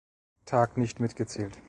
Tag nicht mitgezählt.